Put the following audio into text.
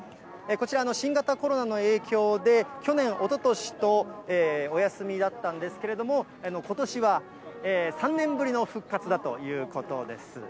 こちら新型コロナの影響で、去年、おととしとお休みだったんですけれども、ことしは３年ぶりの復活だということです。